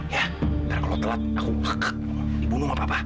ya nanti kalau telat aku dibunuh sama papa